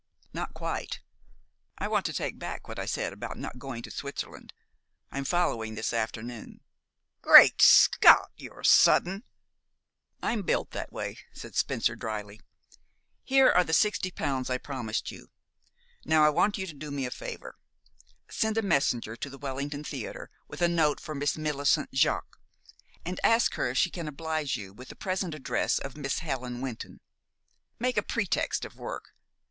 "Not quite. I want to take back what I said about not going to Switzerland. I'm following this afternoon." "Great Scott! You're sudden." "I'm built that way," said Spencer dryly. "Here are the sixty pounds I promised you. Now I want you to do me a favor. Send a messenger to the Wellington Theater with a note for Miss Millicent Jaques, and ask her if she can oblige you with the present address of Miss Helen Wynton. Make a pretext of work.